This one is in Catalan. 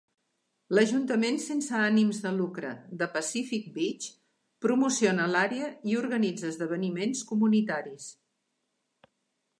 L'ajuntament sense ànims de lucre de Pacific Beach promociona l'àrea i organitza esdeveniments comunitaris.